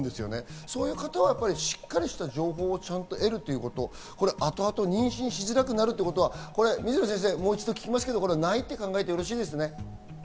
そういう方はしっかりした情報を得るということ、後々妊娠しづらくなるということは、水野先生、もう一度聞きますけど、ないと考えてよろしいですね？